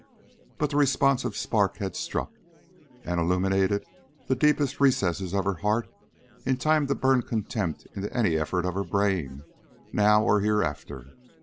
But the responsive spark had struck, and illumined the deepest recesses of her heart in time to burn contempt into any effort of her brain, now or hereafter.